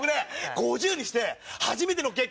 ５０にして初めての結婚。